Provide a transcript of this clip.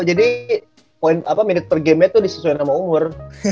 jadi poin apa menit per gamenya tuh disesuaikan sama umur